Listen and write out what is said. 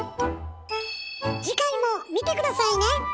次回も見て下さいね！